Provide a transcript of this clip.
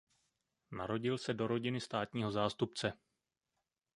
Narodil se do rodiny státního zástupce.